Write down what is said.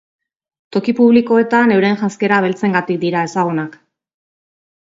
Toki publikoetan euren janzkera beltzengatik dira ezagunak.